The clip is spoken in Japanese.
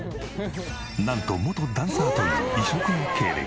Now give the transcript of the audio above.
なんと元ダンサーという異色の経歴。